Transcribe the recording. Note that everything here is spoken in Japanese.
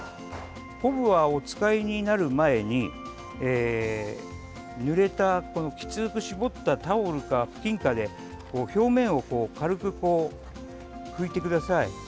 昆布は、お使いになる前にぬれたきつく絞ったタオルか布巾かで表面を軽く拭いてください。